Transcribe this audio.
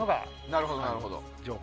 なるほど。